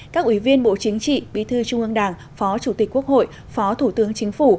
các ủy viên bộ chính trị bí thư trung ương đảng phó chủ tịch quốc hội phó thủ tướng chính phủ